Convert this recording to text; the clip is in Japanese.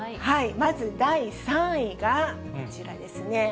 まず第３位が、こちらですね。